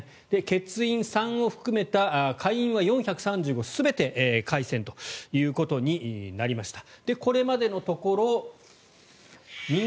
欠員３を含めた下院は４３５全て改選ということになりました。